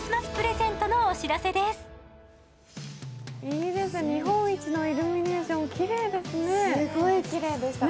いいです、日本一のイルミネーションきれいですね。